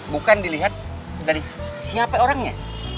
bukan dilihat dari siapa orangnya